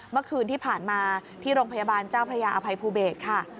เมื่อคืนที่ผ่านมาที่โรงพยาบาลเจ้าพระยาอภัยภูเบศค่ะ